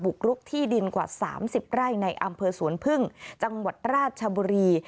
กรุกที่ดินกว่า๓๐ไร่ในอำเภอสวนพึ่งจังหวัดราชบุรี